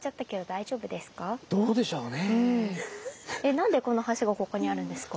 何でこの橋がここにあるんですか？